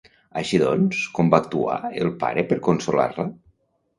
Així doncs, com va actuar el pare per consolar-la?